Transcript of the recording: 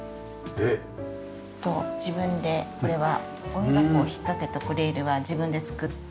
えっと自分でこれはゴミ箱を引っかけたレールは自分で作って。